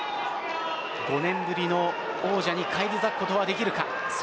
５年ぶりの王者に返り咲くことはできるか。